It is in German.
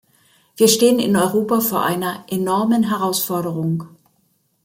Wir stehen in Europa vor einer enormen Herausforderung.